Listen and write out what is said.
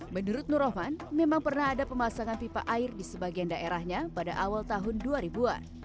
menurut nur rahman memang pernah ada pemasangan pipa air di sebagian daerahnya pada awal tahun dua ribu an